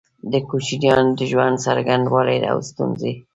د کوچيانو د ژوند څرنګوالی او ستونزي